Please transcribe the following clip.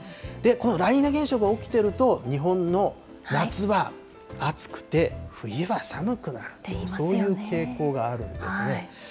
このラニーニャ現象が起きていると、日本の夏は暑くて冬は寒くなると、そういう傾向があるんですね。